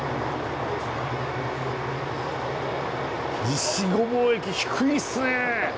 西御坊駅低いっすね！